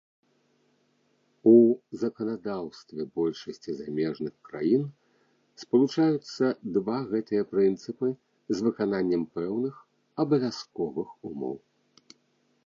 У заканадаўстве большасці замежных краін спалучаюцца два гэтыя прынцыпы з выкананнем пэўных абавязковых умоў.